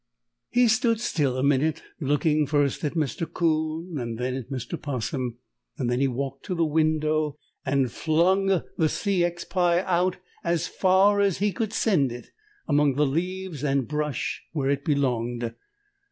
He stood still a minute, looking first at Mr. 'Coon and then at Mr. 'Possum. Then he walked to the window and flung the C. X. pie out as far as he could send it among the leaves and brush, where it belonged.